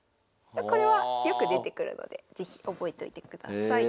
これはよく出てくるので是非覚えといてください。